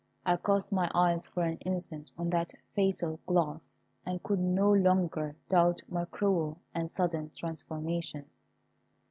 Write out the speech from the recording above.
I cast my eyes for an instant on that fatal glass, and could no longer doubt my cruel and sudden transformation.